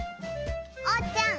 おうちゃん